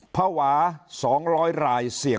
พระหวา๒๐๐รายเสี่ยง